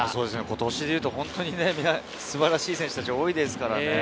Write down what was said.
今年でいうとみんな素晴らしい選手たちが多いですからね。